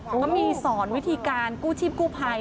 เขามีสอนวิธีการกู้ชีพกู้ภัย